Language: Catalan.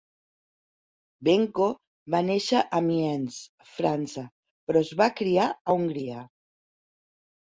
Benko va néixer a Amiens, França, però es va criar a Hungria.